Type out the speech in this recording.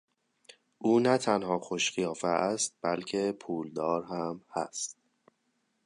او نه تنها خوش قیافه است بلکه پولدار هم هست.